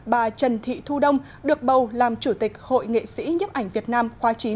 bà trần thị thu đông được bầu làm chủ tịch hội nghệ sĩ nhấp ảnh việt nam khoa chín